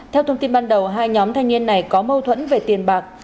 theo thông tin ban đầu hai nhóm thanh niên này có mâu thuẫn về tiền bạc